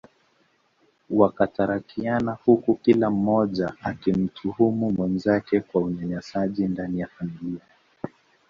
Wakatarakiana huku kila mmoja akimtuhumu mwenzake kwa Unyanyasaji ndani ya familia